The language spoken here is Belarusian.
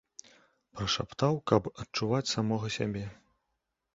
Прашаптаў, каб адчуваць самога сябе.